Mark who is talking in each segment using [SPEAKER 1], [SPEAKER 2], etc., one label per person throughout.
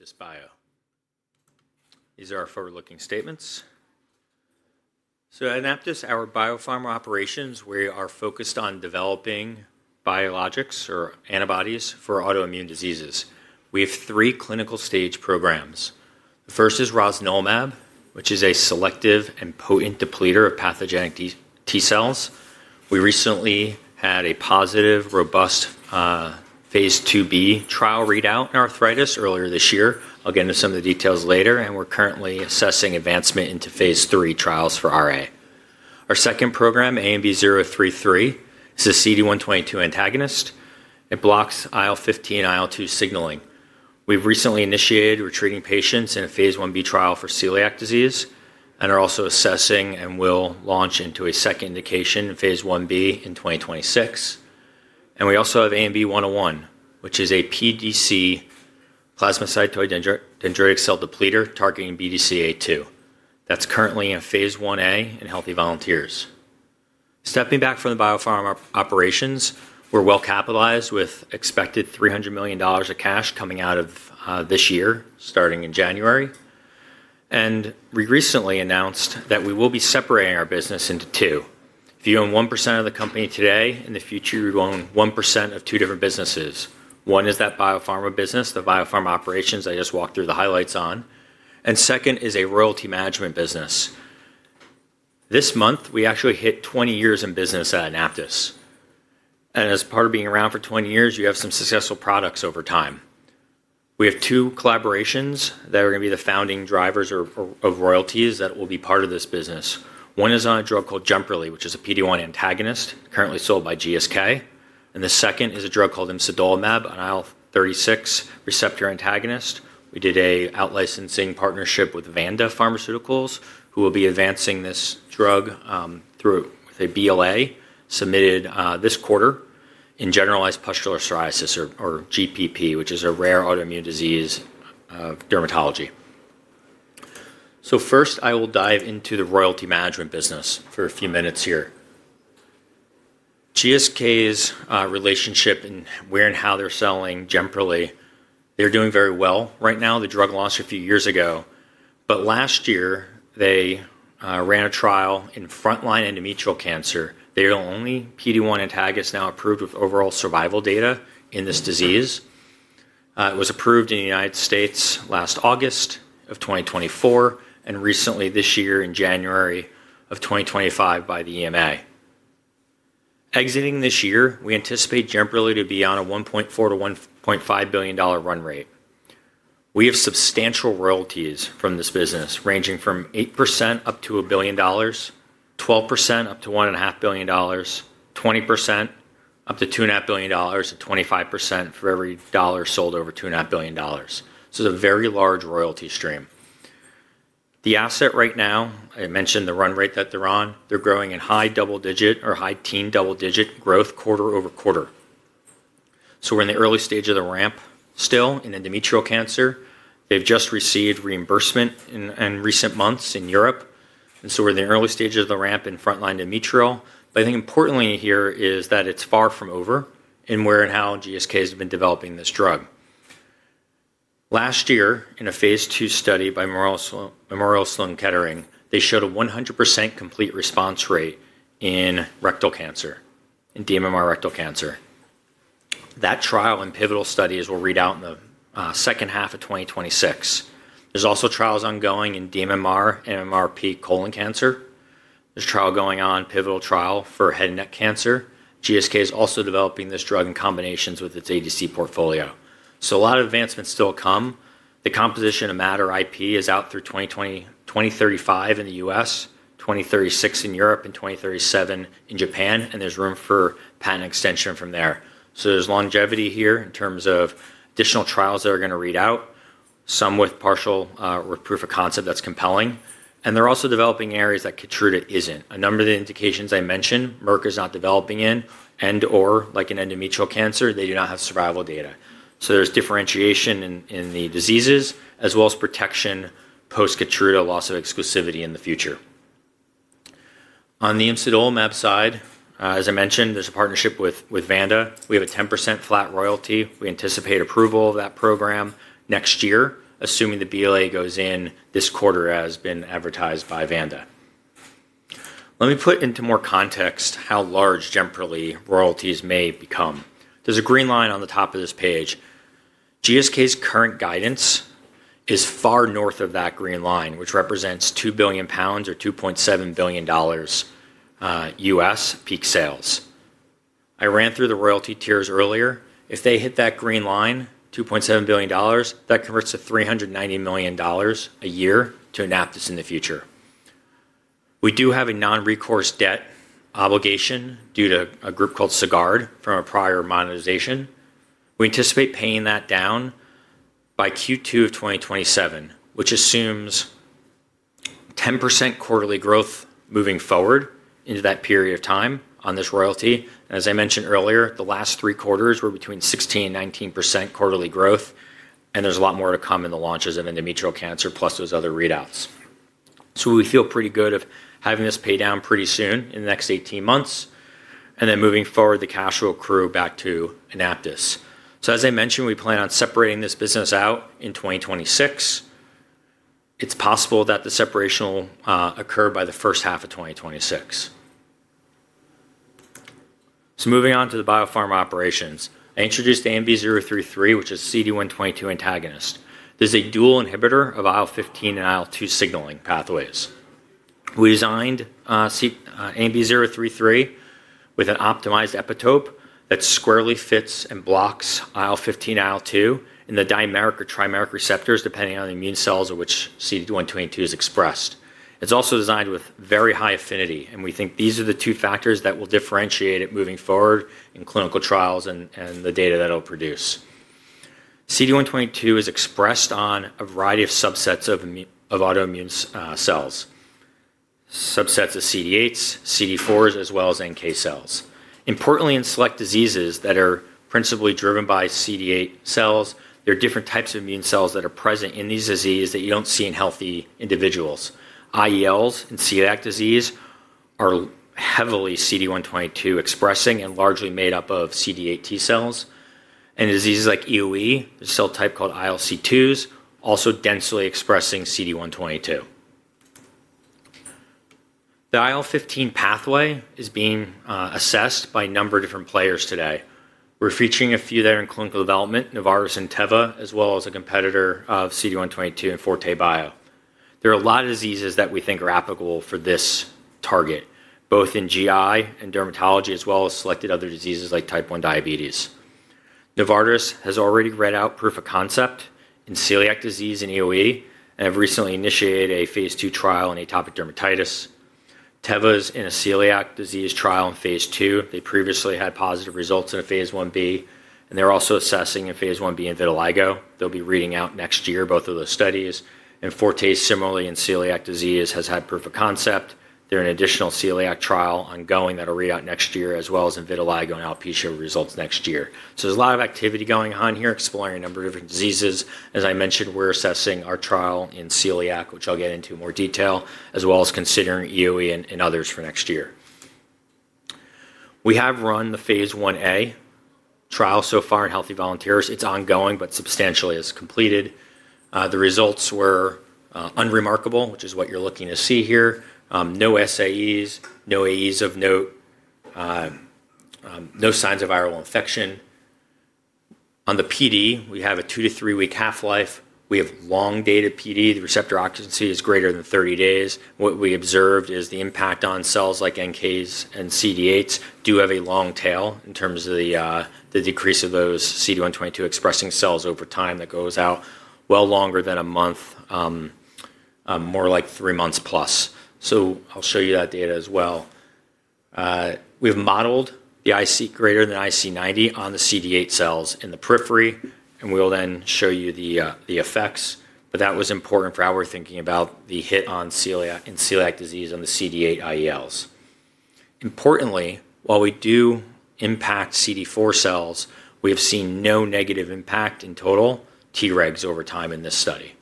[SPEAKER 1] AnaptysBio. These are our forward-looking statements. Anaptys, our biopharma operations, we are focused on developing biologics or antibodies for autoimmune diseases. We have three clinical stage programs. The first is Rosnilimab, which is a selective and potent depleter of pathogenic T cells. We recently had a positive, robust phase 2b trial readout in arthritis earlier this year. I'll get into some of the details later, and we're currently assessing advancement into phase III trials for RA. Our second program, AMV033, is a CD122 antagonist. It blocks IL-15 and IL-2 signaling. We've recently initiated retreating patients in a phase 1b trial for celiac disease and are also assessing and will launch into a second indication in phase 1b in 2026. We also have AMV101, which is a pDC plasmacytoid dendritic cell depleter targeting BDCA2. That's currently in phase 1a in healthy volunteers. Stepping back from the biopharma operations, we're well capitalized with expected $300 million of cash coming out of this year, starting in January. We recently announced that we will be separating our business into two. If you own 1% of the company today, in the future, you own 1% of two different businesses. One is that biopharma business, the biopharma operations I just walked through the highlights on. The second is a royalty management business. This month, we actually hit 20 years in business at AnaptysBio. As part of being around for 20 years, you have some successful products over time. We have two collaborations that are going to be the founding drivers of royalties that will be part of this business. One is on a drug called Jemperli, which is a PD-1 antagonist currently sold by GSK. The second is a drug called imsidolimab, an IL-36 receptor antagonist. We did an outlicensing partnership with Vanda Pharmaceuticals, who will be advancing this drug through a BLA submitted this quarter in generalized pustular psoriasis, or GPP, which is a rare autoimmune disease of dermatology. First, I will dive into the royalty management business for a few minutes here. GSK's relationship and where and how they're selling Jemperli, they're doing very well right now. The drug launched a few years ago. Last year, they ran a trial in frontline endometrial cancer. They are the only PD-1 antagonist now approved with overall survival data in this disease. It was approved in the United States last August of 2024 and recently this year in January of 2025 by the EMA. Exiting this year, we anticipate Jemperli to be on a $1.4 billion-$1.5 billion run rate. We have substantial royalties from this business, ranging from 8% up to $1 billion, 12% up to $1.5 billion, 20% up to $2.5 billion, and 25% for every dollar sold over $2.5 billion. It is a very large royalty stream. The asset right now, I mentioned the run rate that they're on, they're growing in high double-digit or high teen double-digit growth quarter over quarter. We are in the early stage of the ramp still in endometrial cancer. They have just received reimbursement in recent months in Europe. We are in the early stages of the ramp in frontline endometrial. I think importantly here is that it is far from over in where and how GSK has been developing this drug. Last year, in a phase II study by Memorial Sloan Kettering, they showed a 100% complete response rate in rectal cancer, in DMMR rectal cancer. That trial and pivotal studies will read out in the second half of 2026. There are also trials ongoing in DMMR and MRP colon cancer. There is a trial going on, pivotal trial for head and neck cancer. GSK is also developing this drug in combinations with its ADC portfolio. A lot of advancements still come. The composition of matter IP is out through 2035 in the U.S., 2036 in Europe, and 2037 in Japan. There is room for patent extension from there. There is longevity here in terms of additional trials that are going to read out, some with partial proof of concept that is compelling. They are also developing areas that Keytruda is not. A number of the indications I mentioned, Merck is not developing in, and/or like in endometrial cancer, they do not have survival data. There is differentiation in the diseases as well as protection post-Keytruda loss of exclusivity in the future. On the imsidolimab side, as I mentioned, there is a partnership with Vanda. We have a 10% flat royalty. We anticipate approval of that program next year, assuming the BLA goes in this quarter, as has been advertised by Vanda. Let me put into more context how large Jemperli royalties may become. There is a green line on the top of this page. GSK's current guidance is far north of that green line, which represents $2 billion or $2.7 billion U.S. peak sales. I ran through the royalty tiers earlier. If they hit that green line, $2.7 billion, that converts to $390 million a year to AnaptysBio in the future. We do have a non-recourse debt obligation due to a group called SAGARD from a prior monetization. We anticipate paying that down by Q2 of 2027, which assumes 10% quarterly growth moving forward into that period of time on this royalty. As I mentioned earlier, the last three quarters were between 16%-19% quarterly growth. There is a lot more to come in the launches of endometrial cancer, plus those other readouts. We feel pretty good of having this pay down pretty soon in the next 18 months. Moving forward, the cash will accrue back to AnaptysBio. As I mentioned, we plan on separating this business out in 2026. It is possible that the separation will occur by the first half of 2026. Moving on to the biopharma operations, I introduced AMV033, which is a CD122 antagonist. This is a dual inhibitor of IL-15 and IL-2 signaling pathways. We designed AMV033 with an optimized epitope that squarely fits and blocks IL-15, IL-2 in the dimeric or trimeric receptors, depending on the immune cells of which CD122 is expressed. It is also designed with very high affinity. We think these are the two factors that will differentiate it moving forward in clinical trials and the data that it will produce. CD122 is expressed on a variety of subsets of autoimmune cells, subsets of CD8s, CD4s, as well as NK cells. Importantly, in select diseases that are principally driven by CD8 cells, there are different types of immune cells that are present in these diseases that you do not see in healthy individuals. IELs in celiac disease are heavily CD122 expressing and largely made up of CD8 T cells. In diseases like EOE, the cell type called ILC2s also densely expresses CD122. The IL-15 pathway is being assessed by a number of different players today. We're featuring a few that are in clinical development, Novartis and Teva, as well as a competitor of CD122 and Forte. There are a lot of diseases that we think are applicable for this target, both in GI and dermatology, as well as selected other diseases like type 1 diabetes. Novartis has already read out proof of concept in celiac disease and EoE, and have recently initiated a phase 2 trial in atopic dermatitis. Teva is in a celiac disease trial in phase 2. They previously had positive results in a phase 1B. They're also assessing a phase 1B in vitiligo. They'll be reading out next year both of those studies. Forte, similarly in celiac disease, has had proof of concept. They're in an additional celiac trial ongoing that'll read out next year, as well as in vitiligo and alopecia results next year. There is a lot of activity going on here, exploring a number of different diseases. As I mentioned, we're assessing our trial in celiac, which I'll get into more detail, as well as considering EoE and others for next year. We have run the phase 1A trial so far in healthy volunteers. It's ongoing, but substantially has completed. The results were unremarkable, which is what you're looking to see here. No SAEs, no AEs of note, no signs of viral infection. On the PD, we have a two- to three-week half-life. We have long-dated PD. The receptor occupancy is greater than 30 days. What we observed is the impact on cells like NKs and CD8s do have a long tail in terms of the decrease of those CD122 expressing cells over time that goes out well longer than a month, more like three months plus. I'll show you that data as well. We've modeled the IC greater than IC90 on the CD8 cells in the periphery, and we'll then show you the effects. That was important for how we're thinking about the hit on celiac disease on the CD8 IELs. Importantly, while we do impact CD4 cells, we have seen no negative impact in total Tregs over time in this study.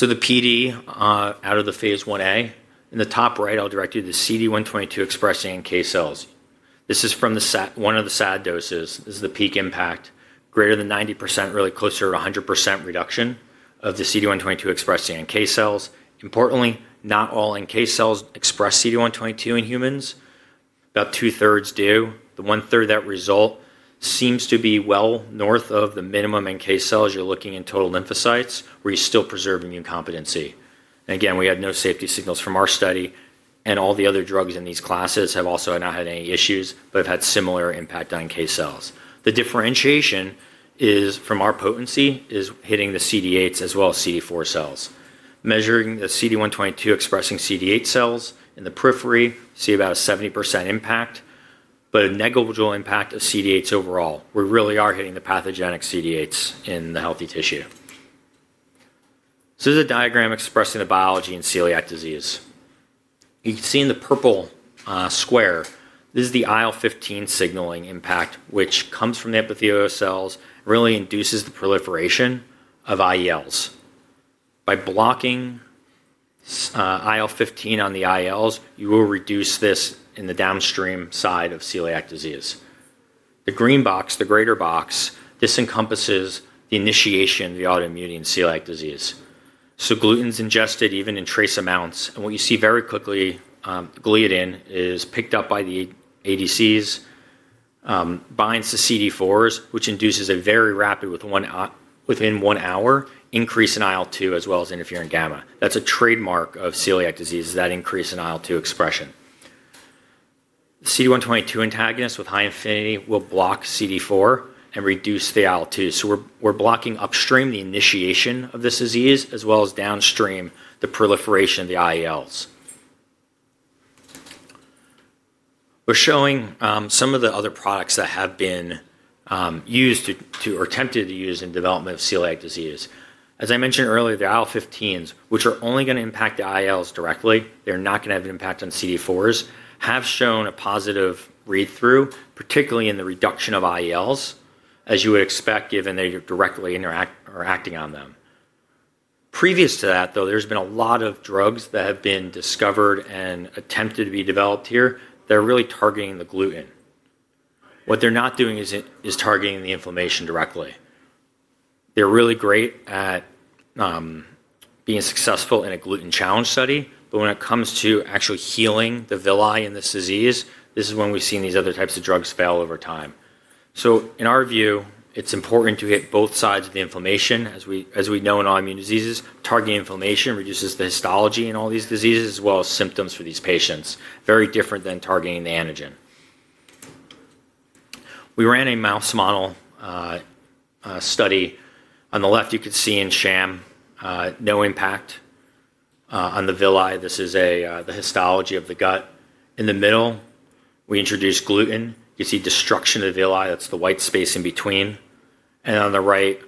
[SPEAKER 1] The PD out of the phase 1A, in the top right, I'll direct you to the CD122 expressing NK cells. This is from one of the SAD doses. This is the peak impact. Greater than 90%, really closer to 100% reduction of the CD122 expressing NK cells. Importantly, not all NK cells express CD122 in humans. About two-thirds do. The one-third that result seems to be well north of the minimum NK cells you are looking in total lymphocytes, where you are still preserving immune competency. Again, we had no safety signals from our study. All the other drugs in these classes have also not had any issues, but have had similar impact on NK cells. The differentiation from our potency is hitting the CD8s as well as CD4 cells. Measuring the CD122 expressing CD8 cells in the periphery, see about a 70% impact, but a negligible impact of CD8s overall. We really are hitting the pathogenic CD8s in the healthy tissue. This is a diagram expressing the biology in celiac disease. You can see in the purple square, this is the IL-15 signaling impact, which comes from the epithelial cells and really induces the proliferation of IELs. By blocking IL-15 on the IELs, you will reduce this in the downstream side of celiac disease. The green box, the greater box, this encompasses the initiation of the autoimmune in celiac disease. Gluten's ingested even in trace amounts. What you see very quickly, gliadin is picked up by the ADCs, binds to CD4s, which induces a very rapid, within one hour, increase in IL-2 as well as interferon gamma. That's a trademark of celiac disease is that increase in IL-2 expression. CD122 antagonist with high affinity will block CD4 and reduce the IL-2. We're blocking upstream the initiation of this disease as well as downstream the proliferation of the IELs. We're showing some of the other products that have been used or attempted to use in development of celiac disease. As I mentioned earlier, the IL-15s, which are only going to impact the IELs directly, they're not going to have an impact on CD4s, have shown a positive read-through, particularly in the reduction of IELs, as you would expect given they directly are acting on them. Previous to that, though, there's been a lot of drugs that have been discovered and attempted to be developed here that are really targeting the gluten. What they're not doing is targeting the inflammation directly. They're really great at being successful in a gluten challenge study. When it comes to actually healing the villi in this disease, this is when we've seen these other types of drugs fail over time. In our view, it's important to hit both sides of the inflammation, as we know in autoimmune diseases. Targeting inflammation reduces the histology in all these diseases as well as symptoms for these patients, very different than targeting the antigen. We ran a mouse model study. On the left, you could see in sham, no impact on the villi. This is the histology of the gut. In the middle, we introduced gluten. You see destruction of the villi, that's the white space in between. On the right,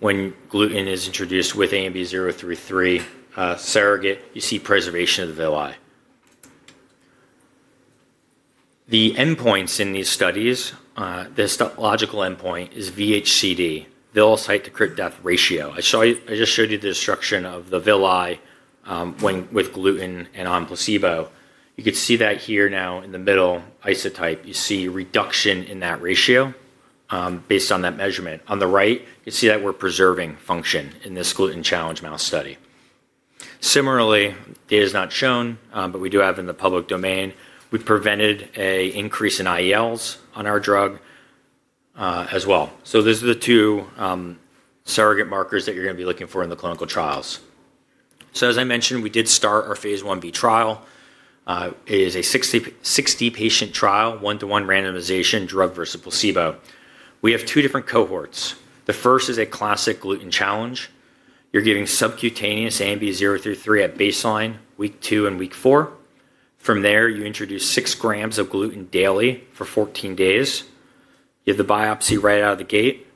[SPEAKER 1] when gluten is introduced with AMV033 surrogate, you see preservation of the villi. The endpoints in these studies, the histological endpoint is VH:CD, villus height to crypt depth ratio. I just showed you the destruction of the villi with gluten and on placebo. You could see that here now in the middle isotype. You see reduction in that ratio based on that measurement. On the right, you can see that we're preserving function in this gluten challenge mouse study. Similarly, data is not shown, but we do have in the public domain. We've prevented an increase in IELs on our drug as well. These are the two surrogate markers that you're going to be looking for in the clinical trials. As I mentioned, we did start our phase 1B trial. It is a 60-patient trial, one-to-one randomization, drug versus placebo. We have two different cohorts. The first is a classic gluten challenge. You're giving subcutaneous AMV033 at baseline, week two and week four. From there, you introduce 6 grams of gluten daily for 14 days. You have the biopsy right out of the gate.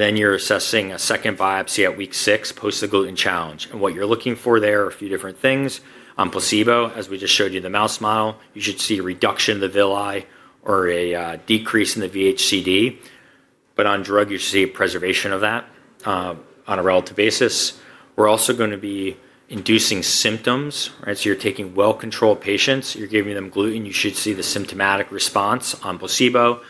[SPEAKER 1] Then you're assessing a second biopsy at week six post the gluten challenge. What you're looking for there are a few different things. On placebo, as we just showed you in the mouse model, you should see reduction in the villi or a decrease in the VH:CD. On drug, you should see a preservation of that on a relative basis. We're also going to be inducing symptoms. You're taking well-controlled patients. You're giving them gluten. You should see the symptomatic response on placebo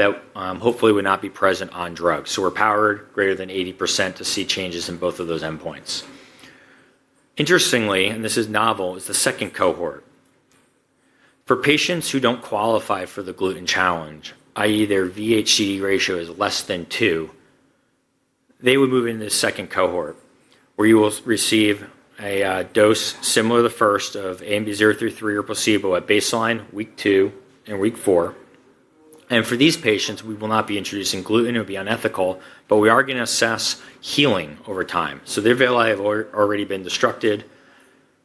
[SPEAKER 1] that hopefully would not be present on drug. We're powered greater than 80% to see changes in both of those endpoints. Interestingly, and this is novel, is the second cohort. For patients who do not qualify for the gluten challenge, i.e., their VH:CD ratio is less than 2, they would move into the second cohort, where you will receive a dose similar to the first of AMV033 or placebo at baseline, week two and week four. For these patients, we will not be introducing gluten. It would be unethical. We are going to assess healing over time. Their villi have already been destructed.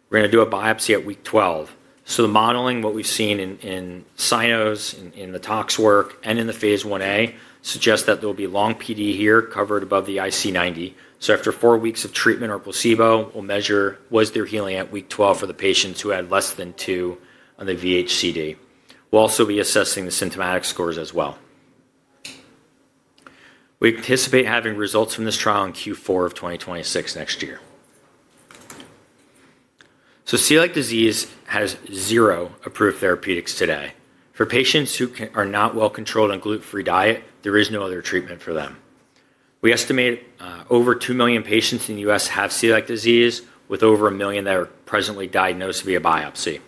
[SPEAKER 1] We're going to do a biopsy at week 12. The modeling, what we've seen in Sinus, in the Toxwork, and in the phase 1A suggests that there will be long PD here covered above the IC90. After four weeks of treatment or placebo, we'll measure was there healing at week 12 for the patients who had less than 2 on the VH:CD. We'll also be assessing the symptomatic scores as well. We anticipate having results from this trial in Q4 of 2026 next year. Celiac disease has zero approved therapeutics today. For patients who are not well-controlled on gluten-free diet, there is no other treatment for them. We estimate over 2 million patients in the U.S. have celiac disease, with over a million that are presently diagnosed via biopsy.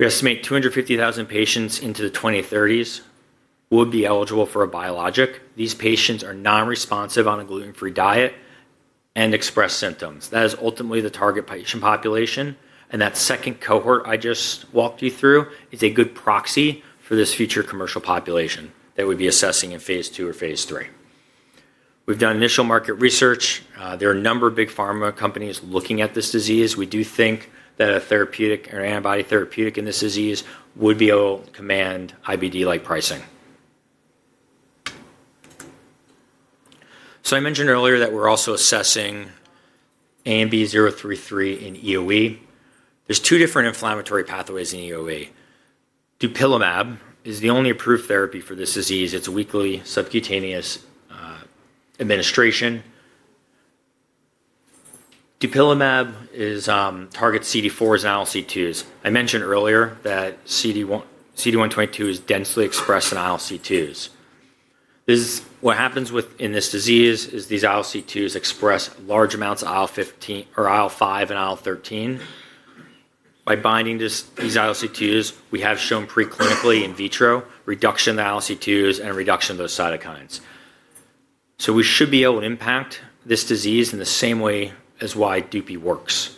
[SPEAKER 1] We estimate 250,000 patients into the 2030s will be eligible for a biologic. These patients are non-responsive on a gluten-free diet and express symptoms. That is ultimately the target patient population. That second cohort I just walked you through is a good proxy for this future commercial population that we'd be assessing in phase 2 or phase 3. We've done initial market research. There are a number of big pharma companies looking at this disease. We do think that a therapeutic or antibody therapeutic in this disease would be able to command IBD-like pricing. I mentioned earlier that we're also assessing AMV033 in EoE. There are two different inflammatory pathways in EoE. Dupilumab is the only approved therapy for this disease. It's a weekly subcutaneous administration. Dupilumab targets CD4s and ILC2s. I mentioned earlier that CD122 is densely expressed in ILC2s. What happens in this disease is these ILC2s express large amounts of IL-5 and IL-13. By binding these ILC2s, we have shown preclinically in vitro reduction of the ILC2s and reduction of those cytokines. We should be able to impact this disease in the same way as why Dupilumab works.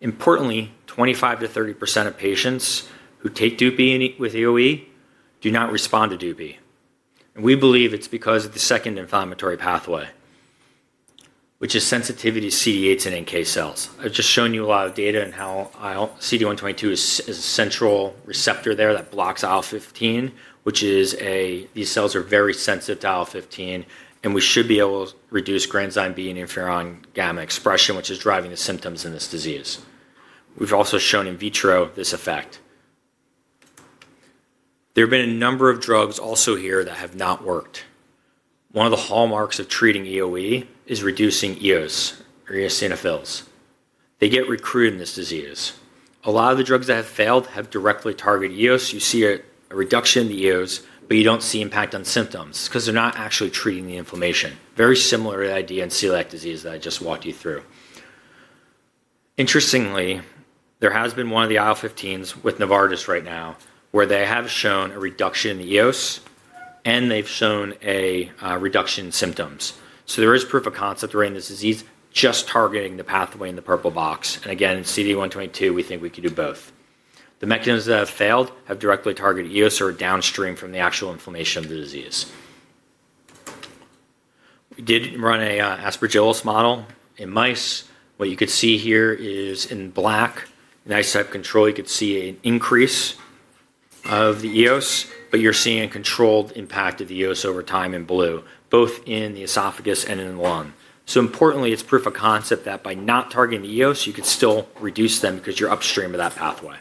[SPEAKER 1] Importantly, 25%-30% of patients who take Dupixent with EoE do not respond to Dupixent. We believe it is because of the second inflammatory pathway, which is sensitivity to CD8s and NK cells. I have just shown you a lot of data and how CD122 is a central receptor there that blocks IL-15, which is a these cells are very sensitive to IL-15. We should be able to reduce granzyme B and interferon gamma expression, which is driving the symptoms in this disease. We've also shown in vitro this effect. There have been a number of drugs also here that have not worked. One of the hallmarks of treating EoE is reducing EOs or eosinophils. They get recruited in this disease. A lot of the drugs that have failed have directly targeted EOs. You see a reduction in the EOs, but you don't see impact on symptoms because they're not actually treating the inflammation. Very similar to the idea in celiac disease that I just walked you through. Interestingly, there has been one of the IL-15s with Novartis right now, where they have shown a reduction in the EOs, and they've shown a reduction in symptoms. There is proof of concept around this disease just targeting the pathway in the purple box. Again, in CD122, we think we could do both. The mechanisms that have failed have directly targeted EOs or downstream from the actual inflammation of the disease. We did run an Aspergillus model in mice. What you could see here is in black, in isotype control, you could see an increase of the EOs, but you're seeing a controlled impact of the EOs over time in blue, both in the esophagus and in the lung. Importantly, it's proof of concept that by not targeting the EOs, you could still reduce them because you're upstream of that pathway.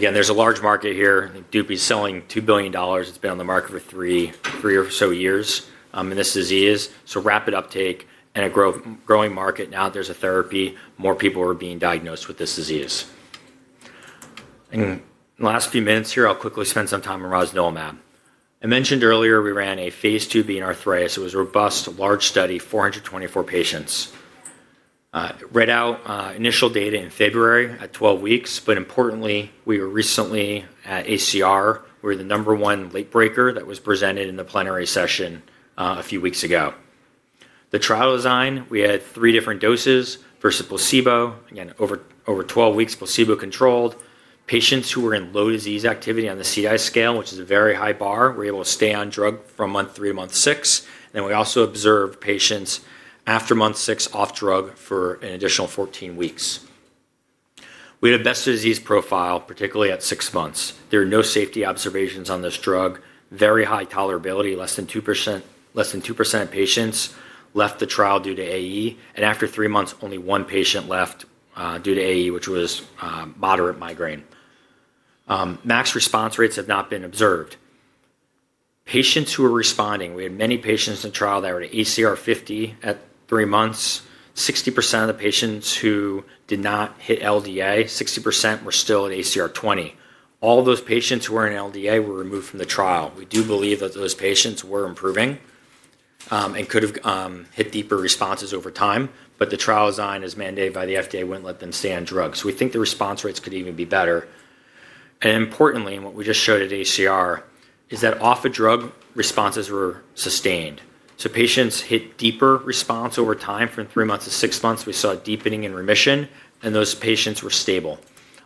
[SPEAKER 1] There's a large market here. Dupilumab is selling $2 billion. It's been on the market for three or so years in this disease. Rapid uptake and a growing market. Now that there's a therapy, more people are being diagnosed with this disease. In the last few minutes here, I'll quickly spend some time on Rosnilimab. I mentioned earlier we ran a phase 2b in arthritis. It was robust, a large study, 424 patients. Read out initial data in February at 12 weeks. Importantly, we were recently at ACR. We were the number one late breaker that was presented in the plenary session a few weeks ago. The trial design, we had three different doses versus placebo. Again, over 12 weeks, placebo-controlled. Patients who were in low disease activity on the CDI scale, which is a very high bar, were able to stay on drug from month three to month six. We also observed patients after month six off drug for an additional 14 weeks. We had a best disease profile, particularly at six months. There were no safety observations on this drug. Very high tolerability, less than 2% of patients left the trial due to AE. After three months, only one patient left due to AE, which was moderate migraine. Max response rates have not been observed. Patients who were responding, we had many patients in the trial that were at ACR 50 at three months. 60% of the patients who did not hit LDA, 60% were still at ACR 20. All those patients who were in LDA were removed from the trial. We do believe that those patients were improving and could have hit deeper responses over time. The trial design is mandated by the FDA, would not let them stay on drugs. We think the response rates could even be better. Importantly, what we just showed at ACR is that off-a-drug responses were sustained. Patients hit deeper response over time from three months to six months. We saw a deepening in remission. Those patients were stable.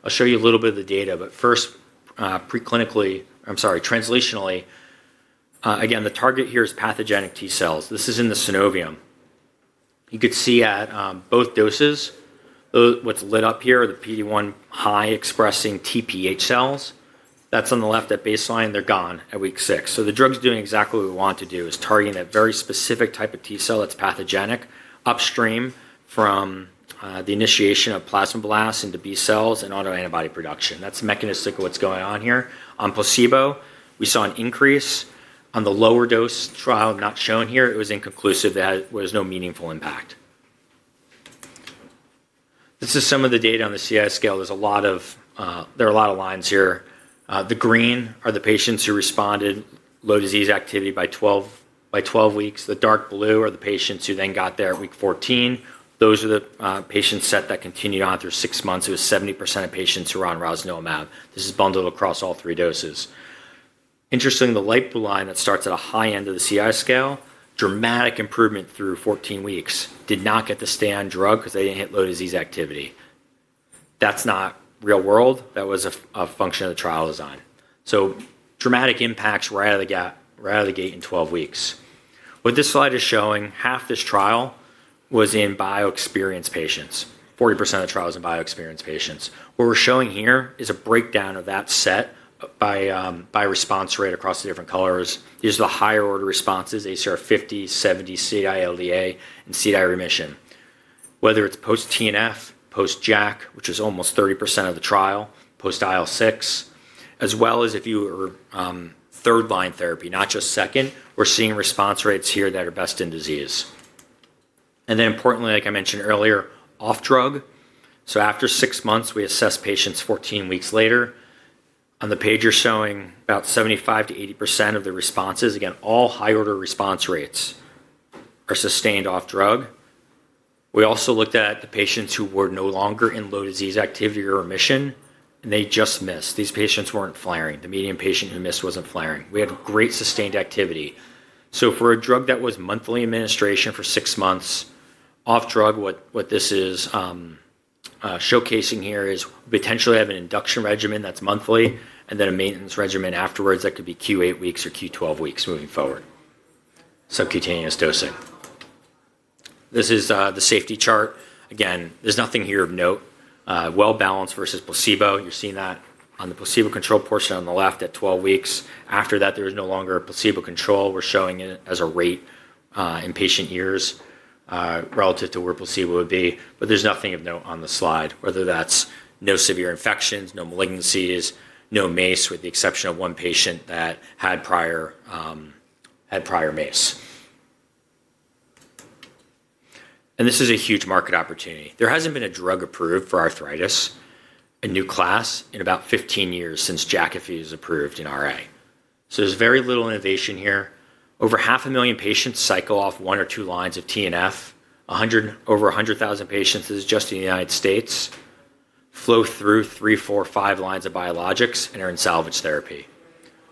[SPEAKER 1] I'll show you a little bit of the data. First, preclinically—I'm sorry, translationally, again, the target here is pathogenic T cells. This is in the synovium. You could see at both doses, what's lit up here are the PD-1 high expressing TPH cells. That's on the left at baseline. They're gone at week six. The drug's doing exactly what we want to do, is targeting that very specific type of T cell that's pathogenic upstream from the initiation of plasma blasts into B cells and autoantibody production. That's the mechanistic of what's going on here. On placebo, we saw an increase. On the lower dose trial, not shown here, it was inconclusive. There was no meaningful impact. This is some of the data on the CDI scale. There are a lot of lines here. The green are the patients who responded low disease activity by 12 weeks. The dark blue are the patients who then got there at week 14. Those are the patient set that continued on through six months. It was 70% of patients who were on Rosnilimab. This is bundled across all three doses. Interestingly, the light blue line that starts at a high end of the CDI scale, dramatic improvement through 14 weeks. Did not get to stay on drug because they did not hit low disease activity. That is not real world. That was a function of the trial design. Dramatic impacts right out of the gate in 12 weeks. What this slide is showing, half this trial was in bioexperienced patients. 40% of the trial was in bioexperienced patients. What we are showing here is a breakdown of that set by response rate across the different colors. These are the higher order responses: ACR 50, 70, CDI LDA, and CDI remission. Whether it's post-TNF, post-JAK, which was almost 30% of the trial, post-IL6, as well as if you were third-line therapy, not just second, we're seeing response rates here that are best in disease. Importantly, like I mentioned earlier, off-drug. After six months, we assess patients 14 weeks later. On the page, you're showing about 75%-80% of the responses. Again, all high-order response rates are sustained off-drug. We also looked at the patients who were no longer in low disease activity or remission, and they just missed. These patients weren't flaring. The median patient who missed wasn't flaring. We had great sustained activity. For a drug that was monthly administration for six months, off-drug, what this is showcasing here is potentially have an induction regimen that's monthly and then a maintenance regimen afterwards that could be Q8 weeks or Q12 weeks moving forward, subcutaneous dosing. This is the safety chart. Again, there's nothing here of note. Well-balanced versus placebo. You're seeing that on the placebo-controlled portion on the left at 12 weeks. After that, there is no longer a placebo control. We're showing it as a rate in patient years relative to where placebo would be. There's nothing of note on the slide, whether that's no severe infections, no malignancies, no MACE, with the exception of one patient that had prior MACE. This is a huge market opportunity. There hasn't been a drug approved for arthritis, a new class, in about 15 years since Jakafi was approved in RA. There's very little innovation here. Over 500,000 patients cycle off one or two lines of TNF. Over 100,000 patients, this is just in the United States, flow through three, four, five lines of biologics and are in salvage therapy.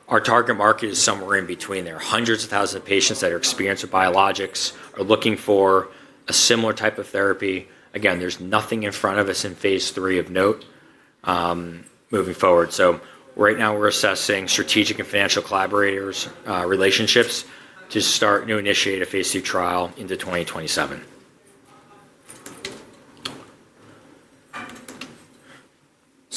[SPEAKER 1] Our target market is somewhere in between. There are hundreds of thousands of patients that are experienced with biologics, are looking for a similar type of therapy. Again, there's nothing in front of us in phase 3 of note moving forward. Right now, we're assessing strategic and financial collaborators' relationships to start, new initiate a phase II trial into 2027.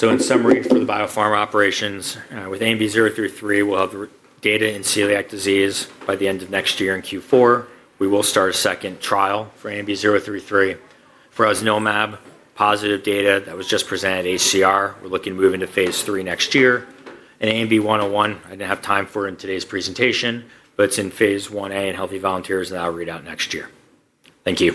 [SPEAKER 1] In summary for the biopharma operations, with AMV033, we'll have data in celiac disease by the end of next year in Q4. We will start a second trial for AMV033. For Rosnilimab, positive data that was just presented at ACR, we're looking to move into phase 3 next year. And AMV101, I didn't have time for in today's presentation. But it's in phase 1A in healthy volunteers, and that'll read out next year. Thank you.